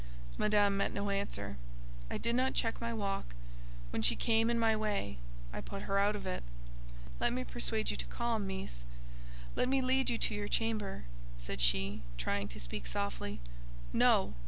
Madame met no answer: I did not check my walk; when she came in my way, I put her out of it. "Let me persuade you to calm, Meess; let me lead you to your chamber," said she, trying to speak softly. "No!"